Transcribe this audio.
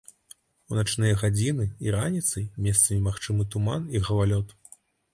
У начныя гадзіны і раніцай месцамі магчымы туман і галалёд.